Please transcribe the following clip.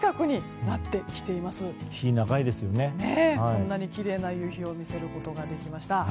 こんなにきれいな夕日を見せることができました。